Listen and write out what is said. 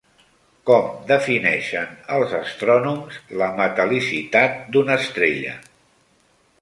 Com defineixen els astrònoms la metal·licitat d'una estrella?